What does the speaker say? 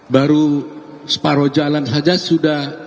baru separuh jalan saja sudah